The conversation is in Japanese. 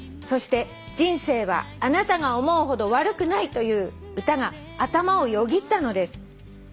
「そして『人生はあなたが思うほど悪くない』という歌が頭をよぎったのです。